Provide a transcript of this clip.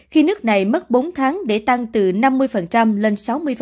khi nước này mất bốn tháng để tăng từ năm mươi lên sáu mươi